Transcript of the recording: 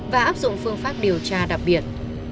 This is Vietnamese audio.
và áp dụng phương pháp điều tra đặc biệt